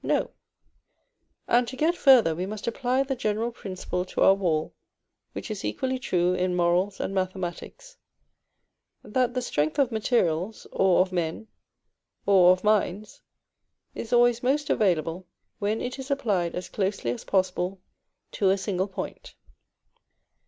No; and to get farther we must apply the general principle to our wall, which is equally true in morals and mathematics, that the strength of materials, or of men, or of minds, is always most available when it is applied as closely as possible to a single point.